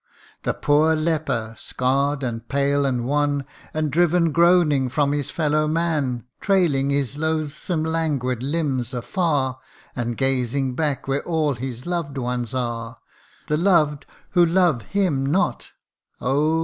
The poor leper, scarr'd, and pale, and wan, And driven groaning from his fellow man ; Trailing his loathsome languid limbs afar, And gazing back where all his loved ones are The loved, who love him not : oh